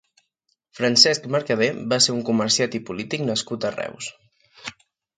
Francesc Mercader va ser un comerciant i polític nascut a Reus.